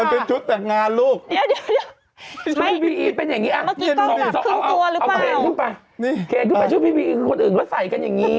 มันเป็นชุดจับงานลูก